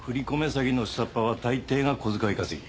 詐欺の下っ端は大抵が小遣い稼ぎ。